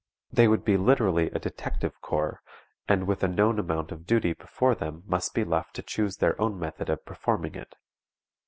They would be literally a "detective corps," and with a known amount of duty before them must be left to choose their own method of performing it.